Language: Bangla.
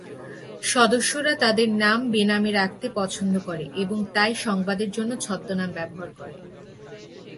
সদস্যরা তাদের নাম বেনামে রাখতে পছন্দ করে এবং তাই সংবাদের জন্য ছদ্মনাম ব্যবহার করে।